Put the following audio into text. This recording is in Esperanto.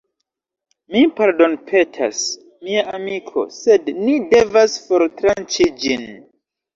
Mi pardonpetas, mia amiko sed ni devas fortranĉi ĝin